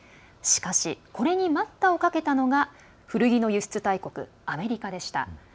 しかしこれに待ったをかけたのが古着の輸出大国アメリカでした。